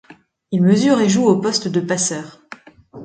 Il mesure et joue au poste de passeur.